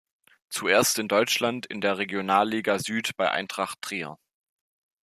Zuerst in Deutschland in der Regionalliga Süd bei Eintracht Trier.